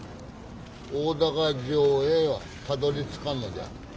大高城へはたどりつかんのじゃ。